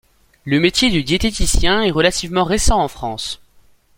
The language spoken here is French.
Le métier de diététicien est relativement récent en France.